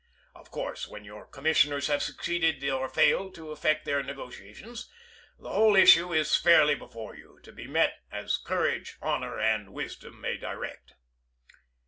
Of course when your commissioners have succeeded or failed to effect their negotiations, the whole issue is fairly before you, to be met as courage, honor, and wisdom may direct.